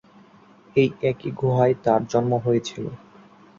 এই একই গুহায় তার জন্ম হয়েছিল।